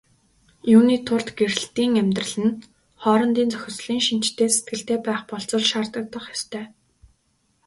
Юуны тулд гэрлэлтийн амьдрал нь хоорондын зохицлын шинжтэй сэтгэлтэй байх болзол шаардагдах ёстой.